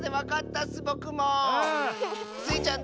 スイちゃん